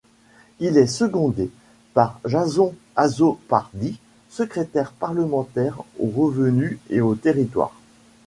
Il est secondé par Jason Azzopardi, secrétaire parlementaire aux revenus et aux territoires.